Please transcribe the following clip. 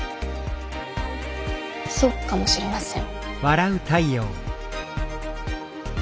そうかもしれません。